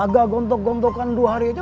agak gontok gontokan dua hari aja